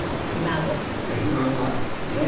ひ孫がねえ。